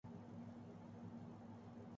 وہاں کمرہ بک ہے لیکن اگر دھڑکا لگا ہوا ہے۔